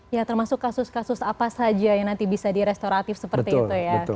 ya termasuk kasus kasus apa saja yang nanti bisa di restoratif seperti itu ya